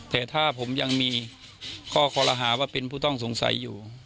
แต่ถ้าผมยังมีข้อคอรหาว่าเป็นผู้ต้องสงสัยอยู่